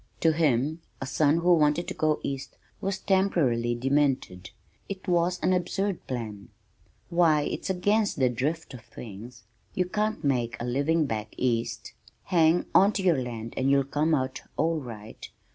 To him, a son who wanted to go east was temporarily demented. It was an absurd plan. "Why, it's against the drift of things. You can't make a living back east. Hang onto your land and you'll come out all right.